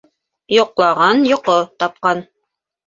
Йоҡлаған йоҡо тапҡан